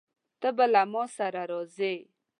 ته به له ما سره راځې؟